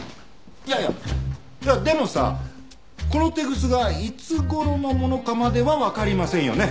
いやいやでもさこのテグスがいつ頃のものかまではわかりませんよね？